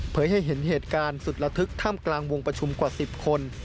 ให้เห็นเหตุการณ์สุดระทึกท่ามกลางวงประชุมกว่า๑๐คน